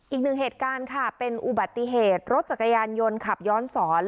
อีกหนึ่งเหตุการณ์ค่ะเป็นอุบัติเหตุรถจักรยานยนต์ขับย้อนสอน